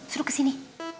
suruh ke sini